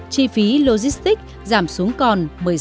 chi phí logistics giảm xuống còn một mươi sáu